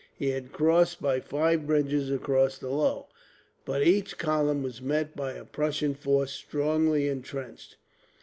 He had crossed by five bridges across the Loe, but each column was met by a Prussian force strongly intrenched.